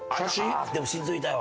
でも心臓痛いわ。